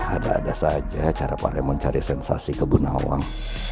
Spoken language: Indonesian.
ada ada saja cara pak raymond cari sensasi ke bu nawang